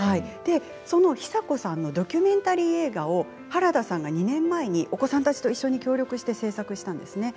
そのヒサ子さんのドキュメンタリー映画を原田さんが２年前にお子さんたちと協力して製作したんですね。